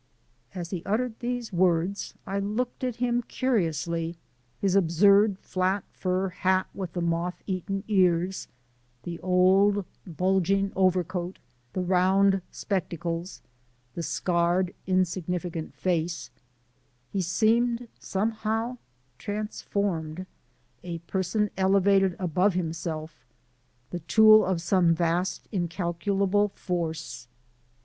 As he uttered these words, I looked at him curiously his absurd flat fur hat with the moth eaten ears, the old bulging overcoat, the round spectacles, the scarred, insignificant face he seemed somehow transformed, a person elevated above himself, the tool of some vast incalculable force.